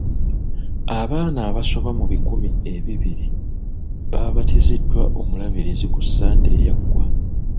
Abaana abasoba mu bikumi ebibiri baabatiziddwa omulabirizi ku sande eyaggwa.